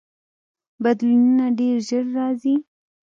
بدلونونه ډیر ژر راځي.